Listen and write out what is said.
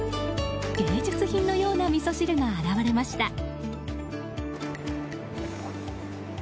芸術品のようなみそ汁が現れました。